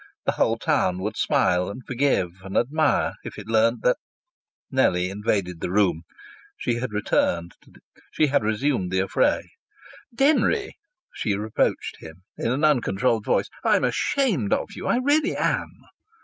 The whole town would smile and forgive and admire if it learnt that Nellie invaded the room. She had resumed the affray. "Denry!" she reproached him, in an uncontrolled voice. "I'm ashamed of you! I really am!"